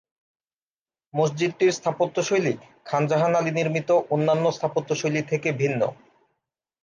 মসজিদটির স্থাপত্যশৈলী খান জাহান আলী নির্মিত অন্যান্য স্থাপত্যশৈলী থেকে ভিন্ন।